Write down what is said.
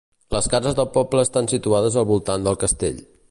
Les cases del poble estan situades al voltant del castell.